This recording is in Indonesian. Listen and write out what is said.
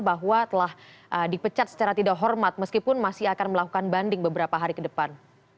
bahwa telah dipecat secara tidak hormat meskipun masih akan melakukan banding beberapa hari ke depan